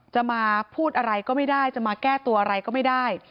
จะมาพูดอะไรก็ไม่ได้จะมาแก้ตัวอะไรก็ไม่ได้